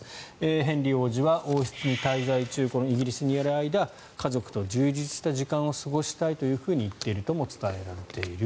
ヘンリー王子は王室に滞在中イギリスにいる間家族と充実した時間を過ごしたというふうに言っているとも伝えられている。